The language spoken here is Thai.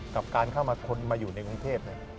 กับการเข้ามาคนมาอยู่ในกรุงเทพ